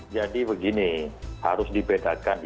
jadi begini harus dibedakan